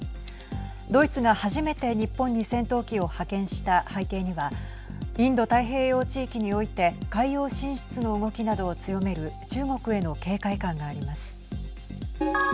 ドイツが初めて日本に戦闘機を派遣した背景にはインド太平洋地域において海洋進出の動きなどを強める中国への警戒感があります。